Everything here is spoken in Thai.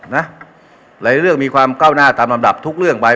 หลายเรื่องมีความก้าวหน้าตามลำดับทุกเรื่องไป